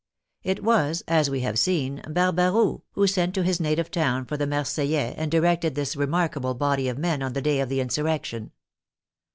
It was, as we have seen, Barbaroux who sent to his native town for the Marseil lais, and directed this remarkable body of men on the day of the insurrection.